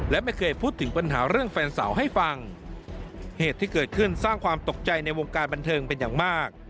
และไม่เคยพูดถึงปัญหาเรื่องแฟนสาวให้ฟังเหตุที่เกิดขึ้นสร้างความตกใจในวงการบันเทิงเป็นอย่างมาก